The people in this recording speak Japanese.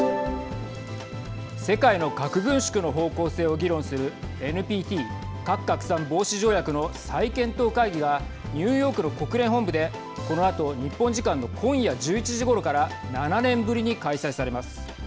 世界の核軍縮の方向性を議論するＮＰＴ＝核拡散防止条約の再検討会議がニューヨークの国連本部でこのあと日本時間の今夜１１時ごろから７年ぶりに開催されます。